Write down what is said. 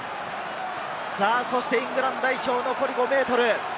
そしてイングランド代表、残り５ｍ。